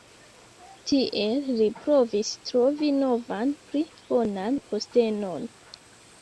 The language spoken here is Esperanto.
Tiel li provis trovi novan pli bonan postenon.